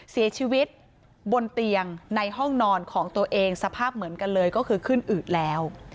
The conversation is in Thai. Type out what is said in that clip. เสียชีวิตบนเตียงในห้องนอนของตัวเองสภาพเหมือนกันเลยก็คือขึ้นอืดแล้ว